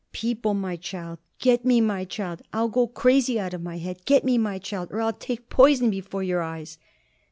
"People, my child! Get me my child! I'll go crazy out of my head! Get me my child, or I'll take poison before your eyes!"